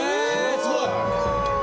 すごい！